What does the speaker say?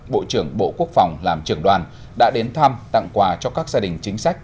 bộ trưởng bộ quốc phòng làm trưởng đoàn đã đến thăm tặng quà cho các gia đình chính sách